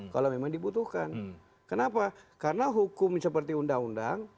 kalau memang dibutuhkan kenapa karena hukum seperti undang undang